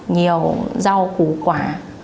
nhiều rau củ quả